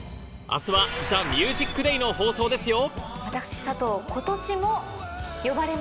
明日は『ＴＨＥＭＵＳＩＣＤＡＹ』の放送ですよ！